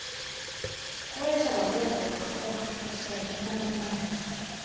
高齢者が増えて火葬場が不足して順番待ちなんです。